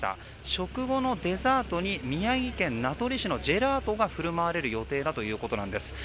食後のデザートに宮城県名取市のジェラートが振る舞われる予定だということです。